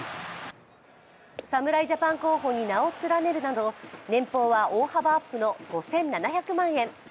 侍ジャパン候補に名を連ねるなど年俸は大幅アップの５７００万円。